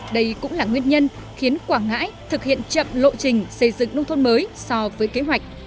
đây cũng là nguyên nhân khiến quảng ngãi thực hiện chậm lộ trình xây dựng nông thôn mới so với kế hoạch